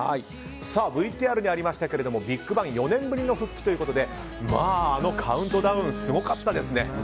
ＶＴＲにありましたがＢＩＧＢＡＮＧ４年ぶりの復帰ということであのカウントダウンすごかったですね。